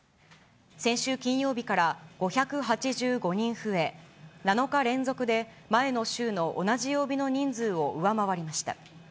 先週金曜日から５８５人増え、７日連続で前の週の同じ曜日の人数を上回りました。